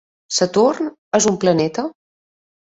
Saturn és un planeta.